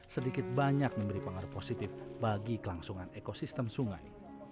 sedikit banyak memberi pengaruh positif bagi kelangsungan ekosistem sungai